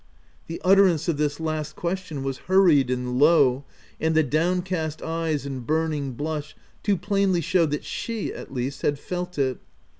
The utterance of this last question was hur ried and low, and the downcast eyes and burn ing blush too plainly showed that she^ at least had felt it.